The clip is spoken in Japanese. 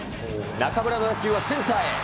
中村の打球はセンターへ。